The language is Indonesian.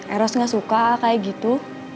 eros nggak suka kayak gitu